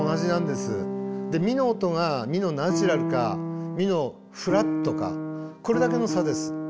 でミの音がミのナチュラルかミのフラットかこれだけの差です。